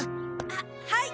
あっはい！